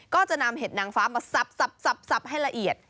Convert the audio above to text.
ก็จะนำเห็ดนางฟ้ามาสับให้ละเอียด